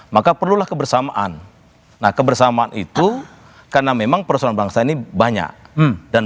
maka perlulah kebersamaan nah kebersamaan itu karena memang persoalan bangsa ini banyak dan